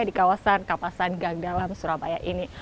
di kawasan kapasan gang dalam surabaya ini